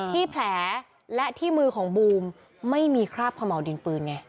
ที่แผลและที่มือของบูมไม่มีคราบขม่าวดินปืนไง